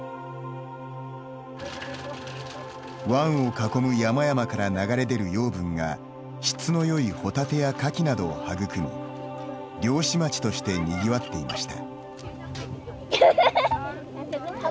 湾を囲む山々から流れ出る養分が質の良いホタテやカキなどを育み漁師町としてにぎわっていました。